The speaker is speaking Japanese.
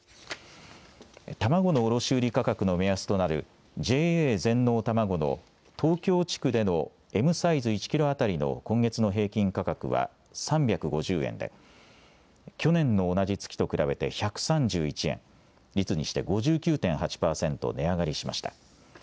卵卸売り価格の目安となるＪＡ全農たまごの東京地区でのＭサイズ１キロ当たりの今月の平均価格は３５０円で、去年の同じ月と比べて１３１円、率にして５９．８％値上がりしました。